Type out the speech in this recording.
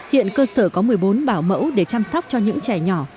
hiện cơ sở có một mươi bốn bảo mẫu để chăm sóc cho những trẻ nhỏ